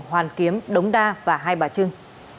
hoàn kiếm đống đa và hai bà trưng